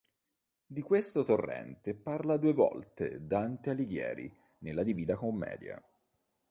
Di questo torrente parla due volte Dante Alighieri nella Divina Commedia.